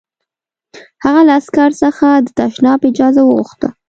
هغه له عسکر څخه د تشناب اجازه وغوښته